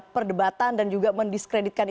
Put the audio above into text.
perdebatan dan juga mendiskreditkan